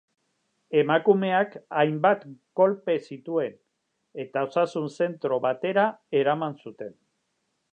Emakumeak hainbat kolpe zituen, eta osasun-zentro batera eraman zuten.